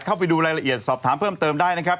เข้าไปดูรายละเอียดสอบถามเพิ่มเติมได้นะครับ